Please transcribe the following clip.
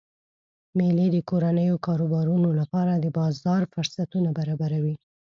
میلې د کورنیو کاروبارونو لپاره د بازار فرصتونه برابروي.